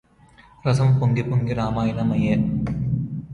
రసము పొంగి పొంగి రామాయణంబయ్యె